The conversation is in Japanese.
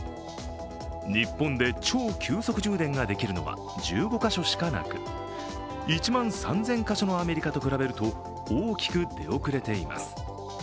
日本で超急速充電ができるのは１５か所しかなく、１万３０００か所のアメリカと比べると大きく出遅れています。